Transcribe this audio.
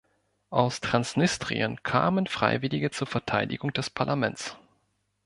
Aus Transnistrien kamen Freiwillige zur Verteidigung des Parlaments.